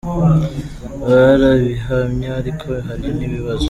barabihamya ariko hari n’ibibazo.